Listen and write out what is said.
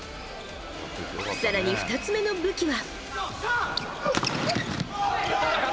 更に、２つ目の武器は。